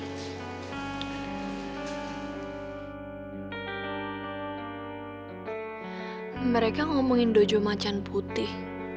tapi mereka ngomongin dojo macam putih